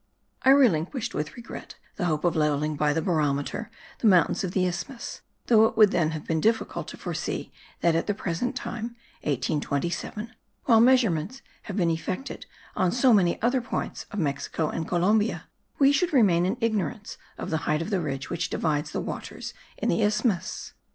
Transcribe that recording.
I relinquished with regret the hope of levelling by the barometer the mountains of the isthmus, though it would then have been difficult to foresee that at the present time (1827), while measurements have been effected on so many other points of Mexico and Columbia, we should remain in ignorance of the height of the ridge which divides the waters in the isthmus.